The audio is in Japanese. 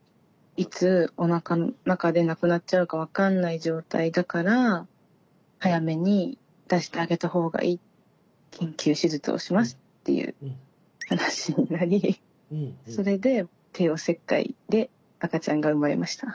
いつおなかの中で亡くなっちゃうか分かんない状態だから早めに出してあげた方がいい緊急手術をしますっていう話になりそれで帝王切開で赤ちゃんが生まれました。